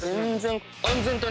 全然。